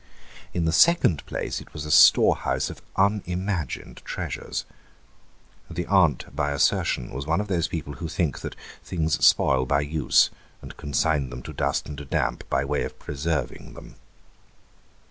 In the second place it was a storehouse of unimagined treasures. The aunt by assertion was one of those people who think that things spoil by use and consign them to dust and damp by way of preserving them.